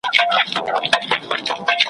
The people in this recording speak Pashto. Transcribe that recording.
ځکه وايي « چي خپل عیب د ولي منځ دی `